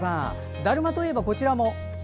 だるまといえば、こちらも。